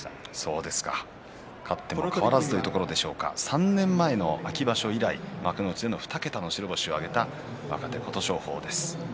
勝っても変わらずというところでしょうか３年前の秋場所以来、幕内での２桁の白星を挙げた琴勝峰です。